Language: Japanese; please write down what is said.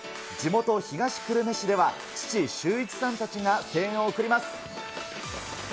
地元、東久留米市では、父、修一さんたちが声援を送ります。